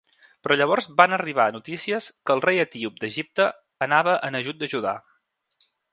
Però llavors van arribar notícies que el rei etíop d'Egipte anava en ajut de Judà.